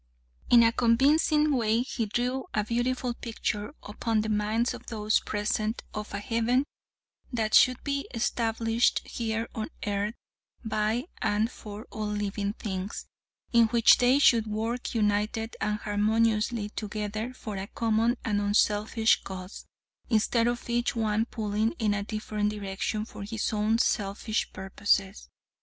"In a convincing way he drew a beautiful picture upon the minds of those present of a heaven that should be established here on earth by and for all living things, in which they should work united and harmoniously together for a common and unselfish cause, instead of each one pulling in a different direction for his own selfish purposes.